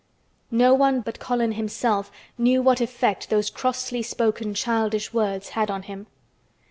No one but Colin himself knew what effect those crossly spoken childish words had on him.